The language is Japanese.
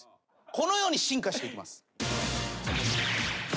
このように進化していきます。